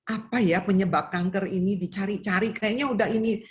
apa ya penyebab kanker ini dicari cari kayaknya udah ini